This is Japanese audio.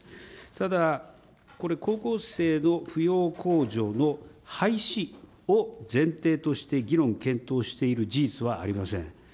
ただ、これ、高校生の扶養控除の廃止を前提として議論、検討している事実はありません。